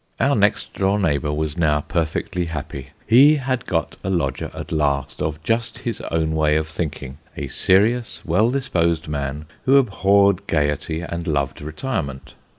Our next door neighbour was now perfectly happy. He had got a lodger at last, of just his own way of thinking a serious, well disposed man, who abhorred gaiety, and loved retirement.